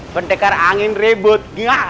pentekar angin ribut